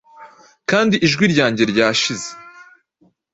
kandi ijwi ryanjye ryashize.